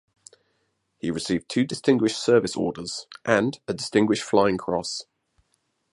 He received two Distinguished Service Orders and a Distinguished Flying Cross.